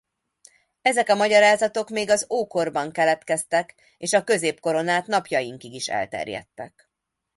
Ezek a magyarázatok még az ókorban keletkeztek és a középkoron át napjainkig is elterjedtek.